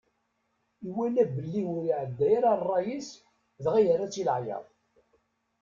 Iwala belli ur iɛedda ara ṛṛay-is, dɣa yerra-tt i leɛyaḍ.